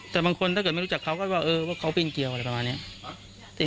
แต่บางคนถ้าไม่รู้จักเขาก็ว่าเขาเปลี่ยนเกียวอะไรประมาณนี้